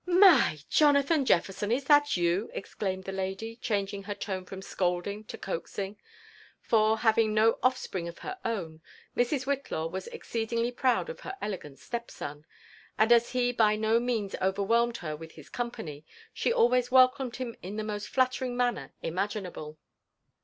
''My I — Jonathan Jefferson I is that you?*' exclaimed the lady, changing her tone from scolding to coaxing : for, having no otTspring of her own, Mrs. Whitlaw was exceedingly proud of her elegant step son ; and as he by no means overwhelmed her with his company, she always welcomed him in the most flattering manner imaginable.